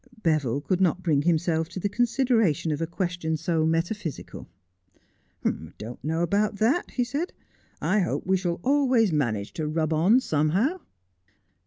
Beville could not bring himself to the consideration of a question so metaphysical. ' I dont know about that,' he said. ' I hope we shall always manage to rub on somehow.'